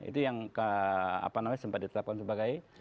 itu yang apa namanya sempat ditetapkan sebagai